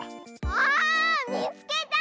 ああっみつけた！